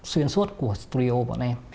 xuyên suốt của studio bọn em